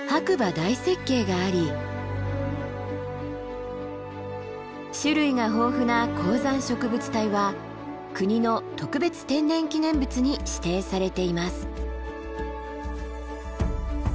大雪渓があり種類が豊富な高山植物帯は国の特別天然記念物に指定されています。